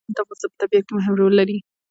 تالابونه د افغانستان په طبیعت کې مهم رول لري.